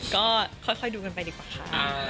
ก็ค่อยดูกันไปดีกว่าค่ะ